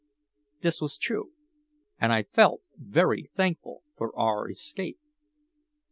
This was true, and I felt very thankful for our escape.